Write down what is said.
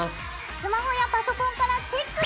スマホやパソコンからチェックしてみてね。